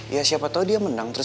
ya siapa tahu dia menang terus